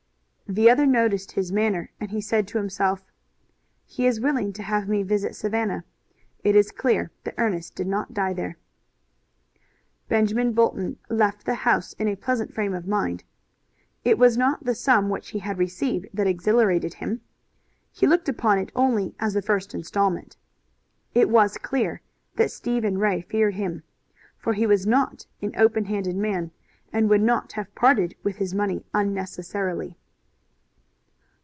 The other noticed his manner, and he said to himself: "He is willing to have me visit Savannah. It is clear that Ernest did not die there." Benjamin Bolton left the house in a pleasant frame of mind. It was not the sum which he had received that exhilarated him. He looked upon it only as the first installment. It was clear that Stephen Ray feared him, for he was not an open handed man, and would not have parted with his money unnecessarily.